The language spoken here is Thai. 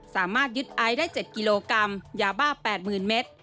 สามารถยึดไอซ์ได้๗กิโลกรัมยาบ้า๘๐๐๐เมตร